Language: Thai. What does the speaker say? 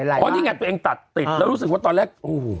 เพราะนี่ไงตัวเองตัดติดแล้วรู้สึกว่าตอนแรกโอ้โห